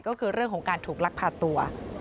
ก็คือเรื่องของการถูกลักพาตัว